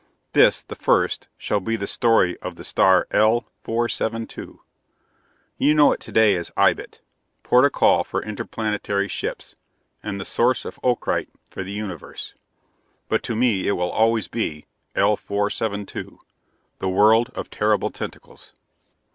This, the first, shall be the story of the star L 472. You know it to day as Ibit, port o' call for interplanetary ships, and source of ocrite for the universe, but to me it will always be L 472, the world of terrible tentacles.